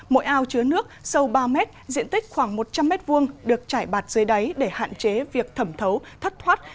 mỗi ao chứa nước sâu ba mét diện tích khoảng một trăm linh mét vuông được chải bạt dưới đáy để hạn chế việc thẩm thấu thất thoát